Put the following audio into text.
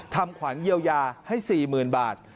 ทำขวัญเยียวยาให้สี่หมื่นบาท